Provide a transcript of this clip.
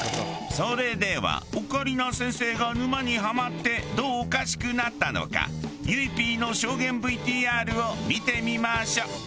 それではオカリナ先生が沼にハマってどうおかしくなったのかゆいＰの証言ＶＴＲを見てみましょう。